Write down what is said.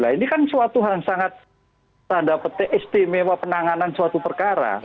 nah ini kan suatu hal yang sangat tanda petik istimewa penanganan suatu perkara